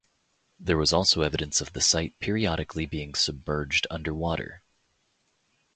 There was also evidence of the site periodically being submerged underwater.